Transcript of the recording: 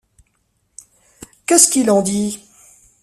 Qu’est-ce qu’il en dit?